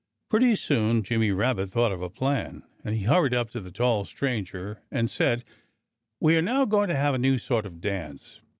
Pretty soon Jimmy Rabbit thought of a plan. And he hurried up to the tall stranger and said: "We are now going to have a new sort of dance.